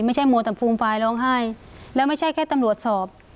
ไม่ใช่โมทันฟูมฟายร้องไห้แล้วไม่ใช่แค่ตำรวจสอบ